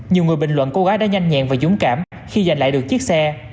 nhiều người bình luận cô gái đã nhanh nhẹn và dũng cảm khi giành lại được chiếc xe